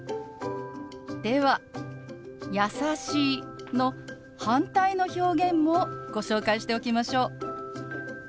では「優しい」の反対の表現もご紹介しておきましょう。